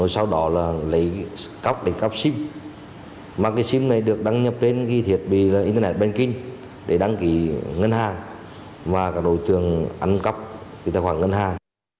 sau đó là lấy cóc để cóc sim mà cái sim này được đăng nhập đến ghi thiệt bì là internet banking để đăng ký ngân hàng và các đối tượng ăn cắp cái tài khoản ngân hàng